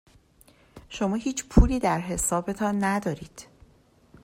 شما هیچ پولی در حسابتان ندارید.